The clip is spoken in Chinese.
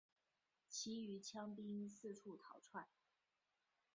其余羌兵四处逃窜。